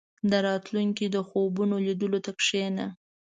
• د راتلونکي د خوبونو لیدلو ته کښېنه.